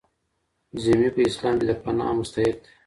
ذمي په اسلام کي د پناه مستحق دی.